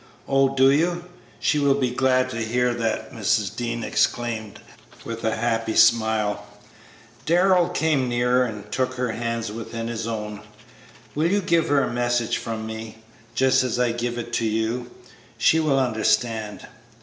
"Oh, do you? She will be glad to hear that!" Mrs. Dean exclaimed, with a happy smile. Darrell came nearer and took her hands within his own. "Will you give her a message from me, just as I give it to you? She will understand."